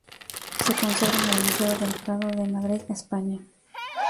Se conserva en el Museo del Prado de Madrid, España.